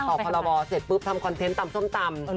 พรบเสร็จปุ๊บทำคอนเทนต์ตำส้มตำ